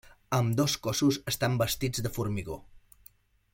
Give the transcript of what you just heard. Ambdós cossos estan bastits amb formigó.